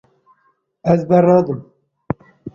Ez bernadim.